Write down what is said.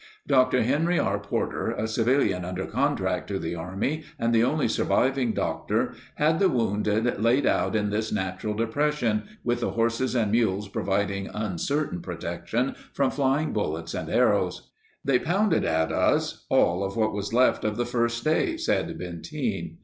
Dr. Henry R. Porter, a civilian under contract to the Army and the only surviving doctor, had the wounded laid out in this nat ural depression, with the horses and mules providing uncertain protection from flying bullets and arrows. "They pounded at us all of what was left of the first day," said Benteen.